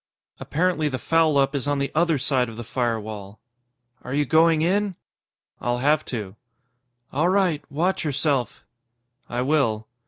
"Apparently the foul up is on the other side of the firewall." "Are you going in?" "I'll have to." "All right. Watch yourself." "I will."